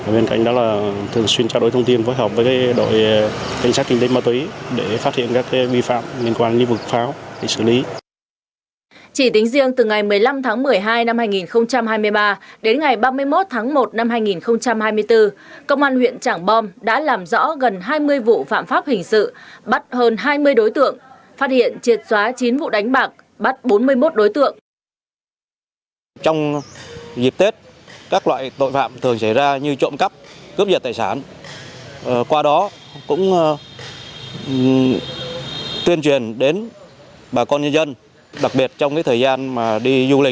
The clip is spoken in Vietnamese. bên cạnh đó là thường xuyên trao đổi thông tin với đội cảnh sát kinh tế ma túy để phát hiện các vi phạm liên quan đến lĩnh vực pháo để xử lý